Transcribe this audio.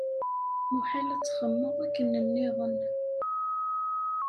Muḥal ad txemmeḍ akken nniḍen.